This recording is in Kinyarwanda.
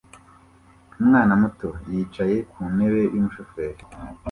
Umwana muto yicaye kuntebe yumushoferi